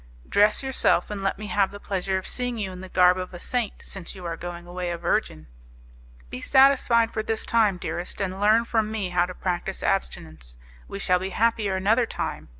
"Dress yourself, and let me have the pleasure of seeing you in the garb of a saint, since you are going away a virgin." "Be satisfied for this time, dearest, and learn from me how to practice abstinence; we shall be happier another time.